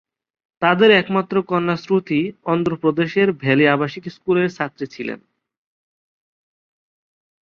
তাদের একমাত্র কন্যা শ্রুতি অন্ধ্র প্রদেশের ভ্যালি আবাসিক স্কুলের ছাত্রী ছিলেন।